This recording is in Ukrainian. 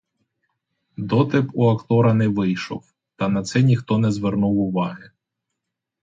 Дотеп у актора не вийшов, та на це ніхто не звернув уваги.